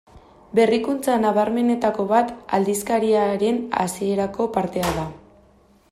Berrikuntza nabarmenenetako bat aldizkariaren hasierako partea da.